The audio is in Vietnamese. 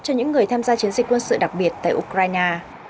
cho những người tham gia chiến dịch quân sự đặc biệt tại ukraine